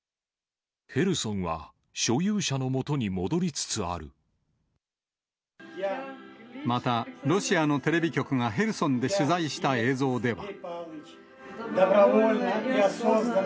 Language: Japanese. ヘルソンは所有者のもとに戻また、ロシアのテレビ局がヘルソンで取材した映像では。